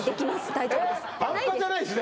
大丈夫です